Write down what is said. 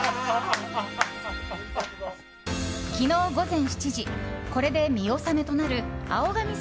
昨日午前７時、これで見納めとなる青髪